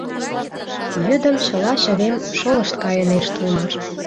Йӱдым чыла чывем шолышт кайынешт улмаш.